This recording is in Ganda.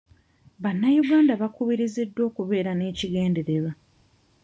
Bannayuganda bakubiriziddwa okubeera n'ekigendererwa.